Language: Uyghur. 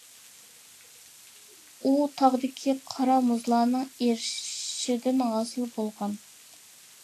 ئۇ تاغدىكى قار-مۇزلارنىڭ ئېرىشىدىن ھاسىل بولغان.